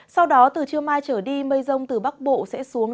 sau đó từ trưa mai trở đi mây rông từ bắc bộ sẽ xuống